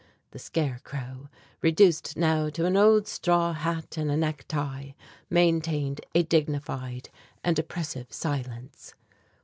The scarecrow, reduced now to an old straw hat and a necktie, maintained a dignified and oppressive silence.